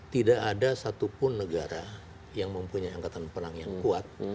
tidak ada satupun negara yang mempunyai angkatan perang yang kuat